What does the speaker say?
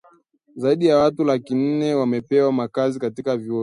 zaidi ya watu laki nne wamepewa makazi katika vituo vya